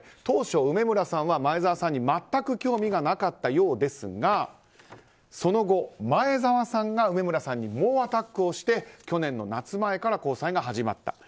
当初、梅村さんは前澤さんに全く興味がなかったようですがその後、前澤さんが梅村さんに猛アタックをして去年の夏前から交際が始まった。